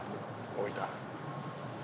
置いた。